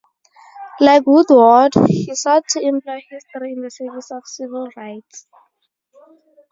Like Woodward, he sought to employ history in the service of civil rights.